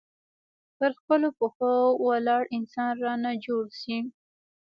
پر خپلو پښو ولاړ انسان رانه جوړ شي.